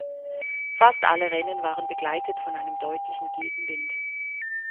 Fast alle Rennen waren begleitet von einem deutlichen Gegenwind.